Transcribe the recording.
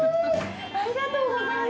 ありがとうございます。